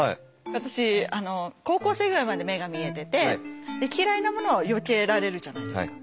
私高校生ぐらいまで目が見えてて嫌いなものはよけられるじゃないですか。